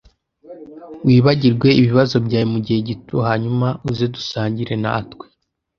Wibagirwe ibibazo byawe mugihe gito hanyuma uze dusangire natwe.